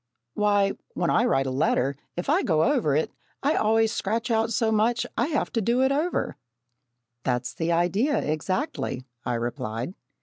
"Why, when I write a letter, if I go over it I always scratch out so much that I have to do it over." "That's the idea, exactly," I replied.